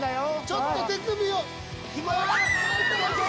ちょっと手首を。